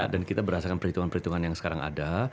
dan kita berasakan perhitungan perhitungan yang sekarang ada